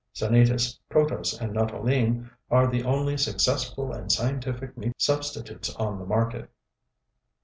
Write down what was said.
SANITAS Protose and Nuttolene are the only successful and scientific meat substitutes on the market.